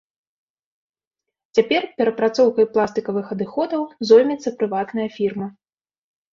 Цяпер перапрацоўкай пластыкавых адыходаў зоймецца прыватная фірма.